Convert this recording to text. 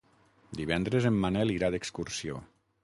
Divendres en Manel irà d'excursió.